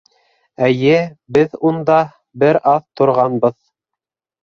Эйе, беҙ унда... бер аҙ торғанбыҙ.